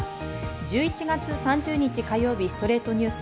１１月３０日、火曜日『ストレイトニュース』。